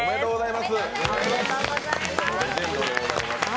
おめでとうございます。